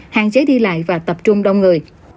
hạn chế đi lại và tập trung đông người